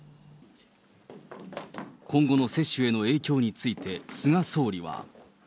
今後の接種への影響について、菅総理は。